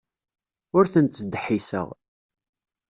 Ur ten-ttdeḥḥiseɣ.